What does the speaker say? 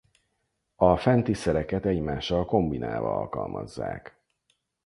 A fenti szereket egymással kombinálva alkalmazzák.